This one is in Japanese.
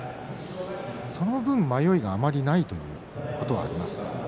その分、迷いがあまりないということはありますか？